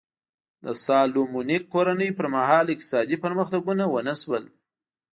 د سالومونیک کورنۍ پر مهال اقتصادي پرمختګونه ونه شول.